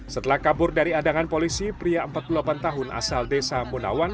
setelah kabur dari adangan polisi pria empat puluh delapan tahun asal desa munawan